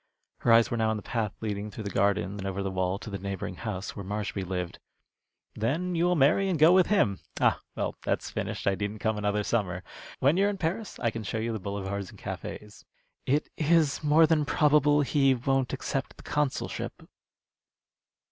Her eyes were now on the path leading through the garden and over the wall to the neighboring house where Marshby lived. "Then you will marry and go with him. Ah, well, that's finished. I needn't come another summer. When you are in Paris, I can show you the boulevards and cafés." "It is more than probable he won't accept the consulship."